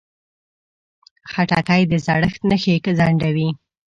خټکی د زړښت نښې ځنډوي.